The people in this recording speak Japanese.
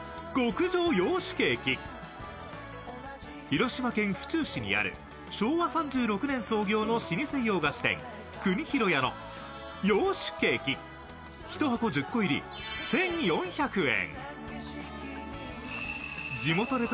広島県府中市にある昭和３６年創業の老舗洋菓子店、くにひろ屋の洋酒ケーキ１箱１０個入り１４００円。